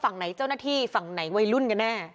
ฝั่งไหนเจ้าหน้าที่ฝั่งไหนวัยรุ่นกันแน่